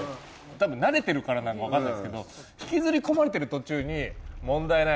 たぶん慣れてるからなのか分かんないっすけど引きずりこまれてる途中に「問題ない。